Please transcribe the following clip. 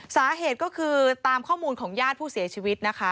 สาเหตุก็คือตามข้อมูลของญาติผู้เสียชีวิตนะคะ